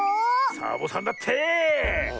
サボさんだって！